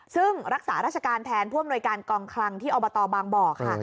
ซึ่งรักษาราชการแทนผู้อำนวยการกองคลังที่อบตบางบ่อค่ะ